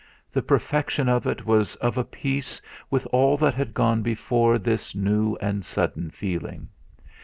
The perfection of it was of a piece with all that had gone before this new and sudden feeling.